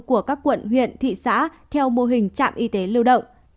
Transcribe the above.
của các quận huyện thị xã theo mô hình trạm y tế lưu động